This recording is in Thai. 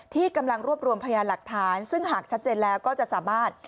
ที่กำลังรวบรวมพยานหลักฐานซึ่งหากชัดเจนแล้วก็จะสามารถ